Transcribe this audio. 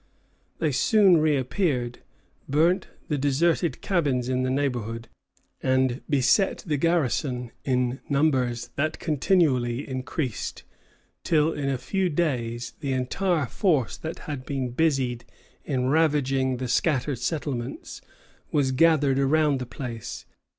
They soon reappeared, burned the deserted cabins in the neighborhood, and beset the garrison in numbers that continually increased, till in a few days the entire force that had been busied in ravaging the scattered settlements was gathered around the place.